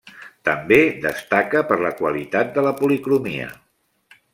També destaca per la qualitat de la policromia.